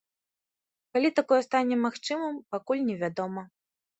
Калі такое стане магчымым, пакуль невядома.